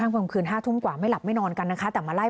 แล้วก็ไล่ปลาระเบิดกันออกไป